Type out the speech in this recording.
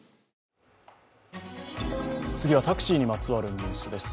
次は、タクシーにまつわるニュースです。